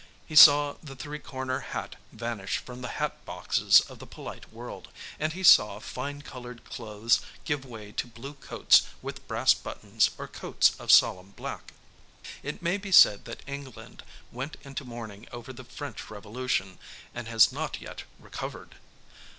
He saw the three cornered hat vanish from the hat boxes of the polite world, and he saw fine coloured clothes give way to blue coats with brass buttons or coats of solemn black. It may be said that England went into mourning over the French Revolution, and has not yet recovered.